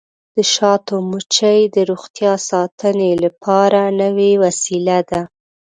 د شاتو مچۍ د روغتیا ساتنې لپاره نوې وسیله ده.